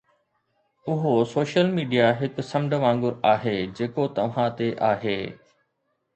اهو social media هڪ سمنڊ وانگر آهي جيڪو توهان تي آهي